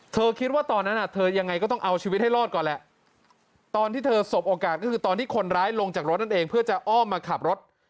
คิดว่าตอนนั้นเธอยังไงก็ต้องเอาชีวิตให้รอดก่อนแหละตอนที่เธอสบโอกาสก็คือตอนที่คนร้ายลงจากรถนั่นเองเพื่อจะอ้อมมาขับรถ